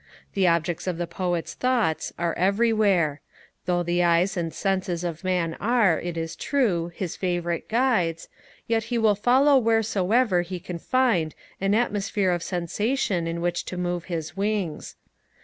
The objects of the Poet's thoughts are everywhere; though the eyes and senses of man are, it is true, his favourite guides, yet he will follow wheresoever he can find an atmosphere of sensation in which to move his wings.